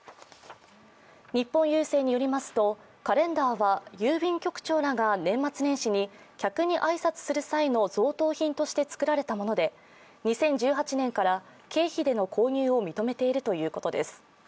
日本郵政によりますと、カレンダーは郵便局長らが年末年始に客に挨拶する際の贈答品として作られたもので２０１８年から経費での購入を認めているということです。